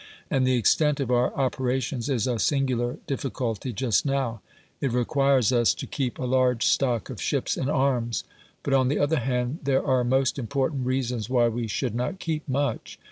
And the extent of our operations is a singular difficulty just now. It requires us to keep a large stock of ships and arms. But on the other hand, there are most important reasons why we should not keep much.